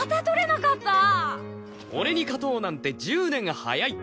俺に勝とうなんて１０年早い。